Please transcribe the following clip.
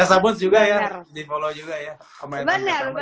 at esabons juga ya di follow juga ya